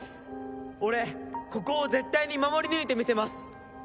俺ここを絶対に守り抜いてみせます！